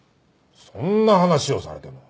そんな話をされても。